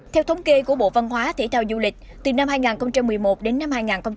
theo thống kê của bộ văn hóa thể thao du lịch từ năm hai nghìn một mươi một đến năm hai nghìn một mươi tám